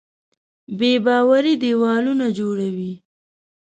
بېباوري دیوالونه جوړوي.